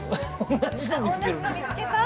同じの見つけた？